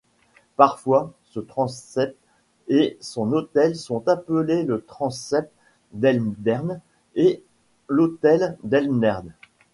Parfois, ce transept et son autel sont appelés le transept d'Eldern et l’autel d'Eldern.